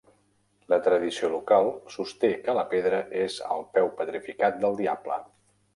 La tradició local sosté que la pedra és el peu petrificat del diable.